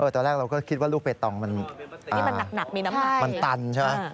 ตอนแรกเราก็คิดว่าลูกเปตองมันตันใช่ไหม